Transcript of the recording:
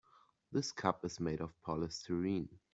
This cup is made of polystyrene.